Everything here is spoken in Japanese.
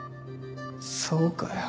そうかよ。